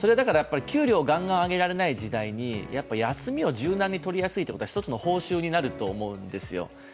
給料がんがん上げられない時代に、休みを柔軟にとりやすいというのは一つの報酬になると思うんですよ。